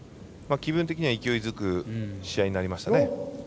気分的には勢いづく試合になりましたね。